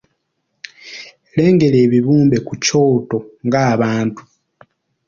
Lengera ebibumbe ku kyoto ng’abantu.